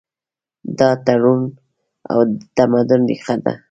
دا تړاو د تمدن ریښه ده.